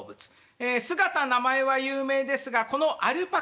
姿名前は有名ですがこのアルパカの声